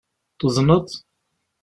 Tuḍneḍ?